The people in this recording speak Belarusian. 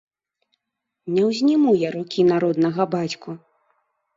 Не ўзніму я рукі на роднага бацьку.